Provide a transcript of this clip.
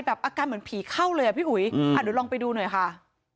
อาการเหมือนผีเข้าเลยอ่ะพี่อุ๋ยเดี๋ยวลองไปดูหน่อยค่ะ